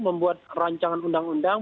membuat rancangan undang undang